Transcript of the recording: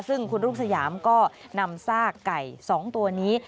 ซึ่งคุณรุ่งสยามก็นำซากไก่๒ตัวนี้